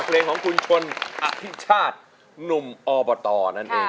เพลงของคุณชนอภิชาติหนุ่มอบตนั่นเอง